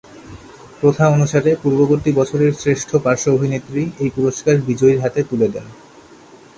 প্রথা অনুসারে পূর্ববর্তী বছরের শ্রেষ্ঠ পার্শ্ব অভিনেত্রী এই পুরস্কার বিজয়ীর হাতে তুলে দেন।